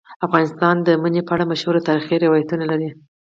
افغانستان د منی په اړه مشهور تاریخی روایتونه لري.